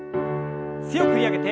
強く振り上げて。